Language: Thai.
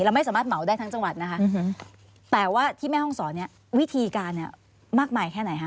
เราไม่สามารถเหมาได้ทั้งจังหวัดนะคะ